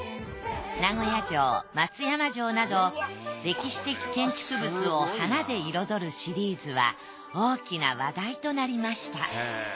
名古屋城松山城など歴史的建築物を花で彩るシリーズは大きな話題となりました。